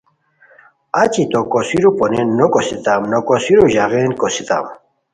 اچی تہ کوسیرو پونین نو کوسیتام، نو کوسیرو ژاغین کوسیتام،